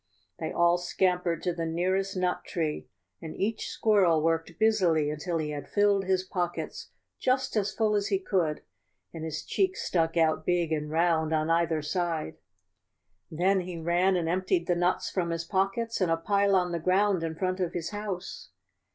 They all scampered to the nearest nut tree, and each squirrel worked busily until he had filled his pockets just as full as he could, and his cheeks stuck out big and round on either side; then he ran and emptied the nuts from his pockets in a pile on the ground in front of his house.